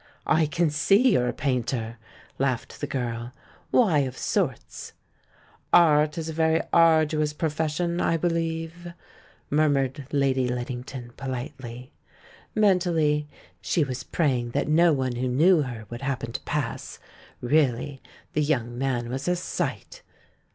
"I can see you're a painter," laughed the girl. "Why 'of sorts' ?" "Art is a very arduous profession, I believe?" murmured Lady Liddington, politely. Mentally she was praying that no one who knew her would happen to pass. Really the young man was a "sight"!